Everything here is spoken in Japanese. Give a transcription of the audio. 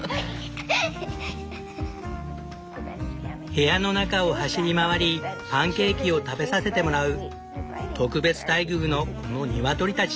部屋の中を走り回りパンケーキを食べさせてもらう特別待遇のこのニワトリたち。